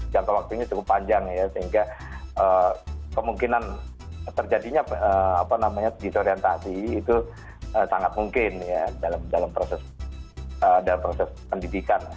jangka waktunya cukup panjang ya sehingga kemungkinan terjadinya disorientasi itu sangat mungkin ya dalam proses pendidikan